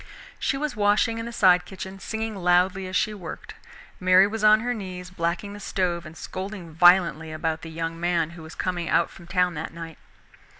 She was washing in the side kitchen, singing loudly as she worked. Mary was on her knees, blacking the stove and scolding violently about the young man who was coming out from town that night.